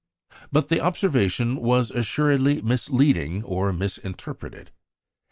But the observation was assuredly misleading or misinterpreted.